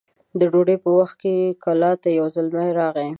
د ډوډۍ په وخت کلا ته يو زلمی راغی